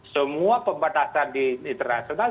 semua pembatasan internasional